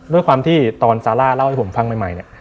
ด้วยความที่ตอนซาร่าเล่าให้ผมฟังใหม่เนี่ย